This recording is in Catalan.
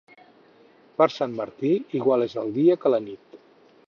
Per Sant Martí, igual és el dia que la nit.